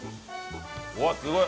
うわっすごい。